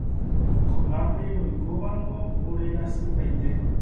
Ko'ápe roikóvango orerasypaite.